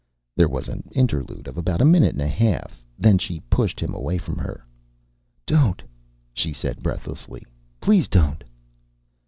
There was an interlude of about a minute and a half, then she pushed him away from her. "Don't!" she said breathlessly. "Please don't!"